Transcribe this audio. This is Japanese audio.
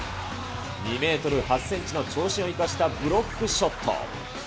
２メートル８センチの長身を生かしたブロックショット。